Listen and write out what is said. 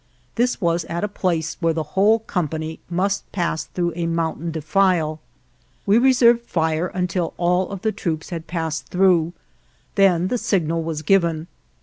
This was at a place where the whole company must pass through a mountain de file. We reserved fire until all of the troops had passed through; then the signal was given.